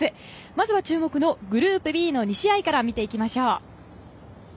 まずは注目のグループＢの２試合から見ていきましょう。